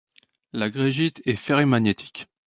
La greigite est ferrimagnétique.